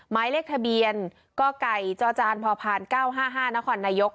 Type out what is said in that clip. หมายเลขทะเบียนกไก่จจพพ๙๕๕นครนายก